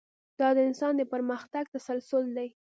دا د انسان د پرمختګ تسلسل دی.